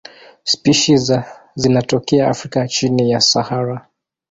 Spishi za zinatokea Afrika chini ya Sahara.